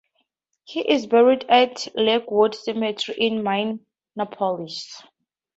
He is buried at Lakewood Cemetery in Minneapolis.